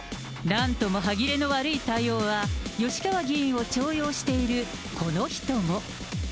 なんとも歯切れの悪い対応は、吉川議員を重用しているこの人も。